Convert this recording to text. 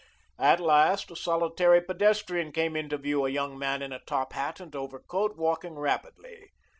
At last, a solitary pedestrian came into view, a young man in a top hat and overcoat, walking rapidly.